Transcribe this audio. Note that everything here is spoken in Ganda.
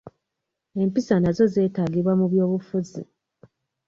Empisa nazo zeetagisibwa mu by'obufuzi.